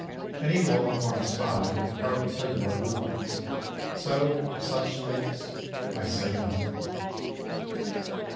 Any well informed spy can probably tell you our movements, so of such things I say noth ing.